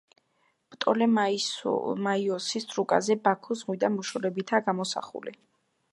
პტოლემაიოსის რუკაზე ბაქო ზღვიდან მოშორებითაა გამოსახული.